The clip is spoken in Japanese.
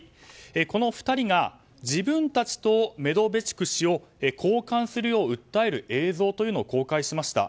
この２人が自分たちとメドベチュク氏を交換するよう訴える映像というのを公開しました。